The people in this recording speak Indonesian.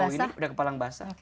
udah kepala ngebasa